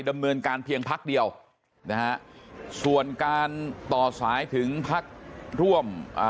ดำเนินการเพียงพักเดียวนะฮะส่วนการต่อสายถึงพักร่วมอ่า